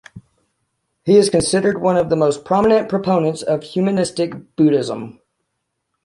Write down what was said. He is considered one of the most prominent proponents of Humanistic Buddhism.